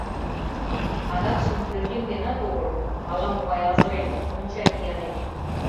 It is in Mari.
Адакшым пӧръеҥ денат огыл — ала-могай азырен, монча ия дене.